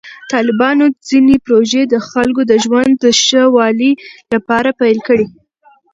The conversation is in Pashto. طالبانو ځینې پروژې د خلکو د ژوند د ښه والي لپاره پیل کړې.